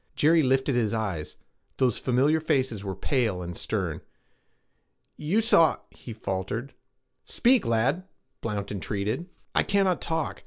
Jerry lifted his eyes. Those familiar faces were pale and stern. 'You saw' he faltered. 'Speak, lad!' Blount entreated. 'I cannot talk.